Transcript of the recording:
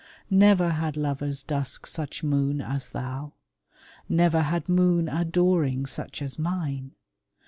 Never had lover's dusk such moon as thou! Never had moon adoring such as mine!